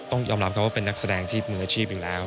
ต้องยอมรับครับว่าเป็นนักแสดงที่มืออาชีพอยู่แล้ว